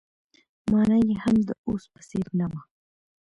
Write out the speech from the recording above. مانا يې هم د اوس په څېر نه وه.